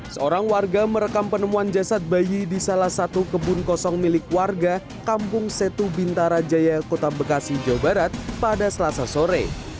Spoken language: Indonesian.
seorang warga merekam penemuan jasad bayi di salah satu kebun kosong milik warga kampung setu bintara jaya kota bekasi jawa barat pada selasa sore